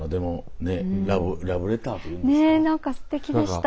ねえ何かすてきでした。